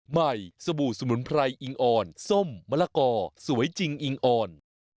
ไหม่สบู่สมุนไพรอิงอรส้มมะละกอสวยจริงอิงอร